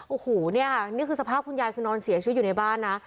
โอ้โหเนี่ยค่ะนี่คือสภาพคุณยายคือนอนเสียชีวิตอยู่ในบ้านนะ